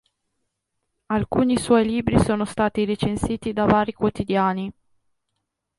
Alcuni suoi libri sono stati recensiti da vari quotidiani.